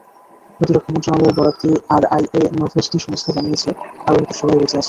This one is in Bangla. প্রতিরক্ষা মন্ত্রণালয়ের বরাত দিয়ে আরআইএ নভোস্তি সংস্থা জানিয়েছে, আরোহীদের সবাই বেঁচে আছেন।